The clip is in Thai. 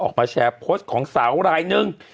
ออกมาแชร์โพสต์ของสาวรายหนึ่ง